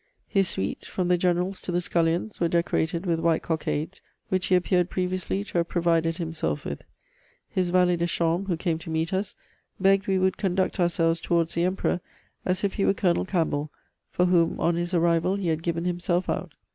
His suite, from the generals to the scullions, were decorated with white cockades, which he appeared previously to have provided himself with. His valet de chambre, who came to meet us, begged we would conduct ourselves towards the Emperor as if he were Colonel Campbell, for whom on his arrival he had given himself out.